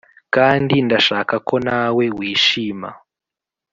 kandi ndashaka ko nawe wishima,